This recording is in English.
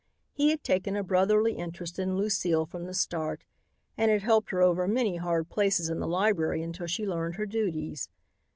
He had taken a brotherly interest in Lucile from the start and had helped her over many hard places in the library until she learned her duties.